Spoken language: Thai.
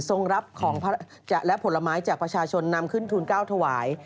รับของและผลไม้จากประชาชนนำขึ้นทุน๙ถวาย